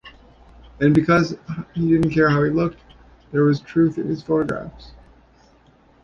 And because he didn't care how he looked, there was truth in his photographs.